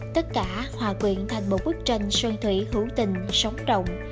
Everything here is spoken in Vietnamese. tất cả hòa quyện thành một bức tranh sơn thủy hữu tình sống rộng